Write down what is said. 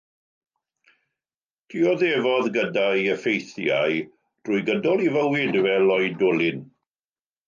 Dioddefodd gyda'i effeithiau trwy gydol ei fywyd fel oedolyn.